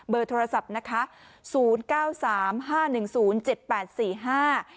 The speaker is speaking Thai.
โทรศัพท์นะคะศูนย์เก้าสามห้าหนึ่งศูนย์เจ็ดแปดสี่ห้า